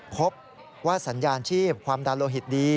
พบว่าสัญญาณชีพความดันโลหิตดี